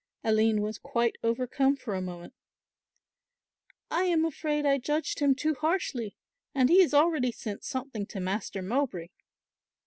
Aline was quite overcome for a moment. "I am afraid I judged him too harshly, and he has already sent something to Master Mowbray."